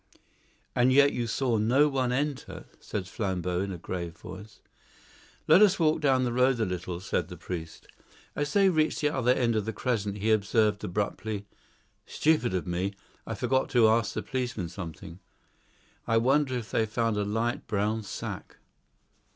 "And yet you saw no one enter?" said Flambeau in a grave voice. "Let us walk down the road a little," said the priest. As they reached the other end of the crescent he observed abruptly, "Stupid of me! I forgot to ask the policeman something. I wonder if they found a light brown sack."